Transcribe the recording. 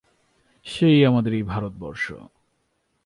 সেই আমাদের এই ভারতবর্ষ!